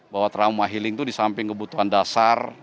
bahwa trauma healing itu di samping kebutuhan dasar